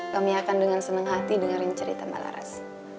kami akan dengan senang hati dengerin cerita mbak laras